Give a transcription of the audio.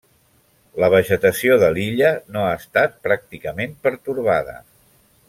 La vegetació de l'illa no ha estat pràcticament pertorbada.